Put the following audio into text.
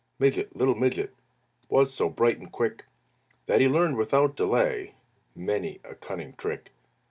Midget, little Midget, Was so bright and quick That he learned without delay Many a cunning trick.